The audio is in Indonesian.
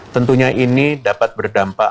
tentunya ini dapat berdampak